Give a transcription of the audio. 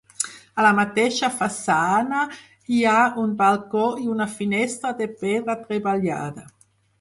A la mateixa façana hi ha un balcó i una finestra de pedra treballada.